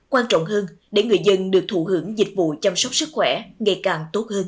quan trọng hơn để người dân được thụ hưởng dịch vụ chăm sóc sức khỏe ngày càng tốt hơn